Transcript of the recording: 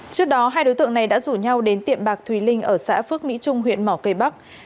trước đó hai đối tượng này đã rủ nhau đến tiệm bạc thùy linh ở xã phước mỹ trung huyện mỏ cây bắc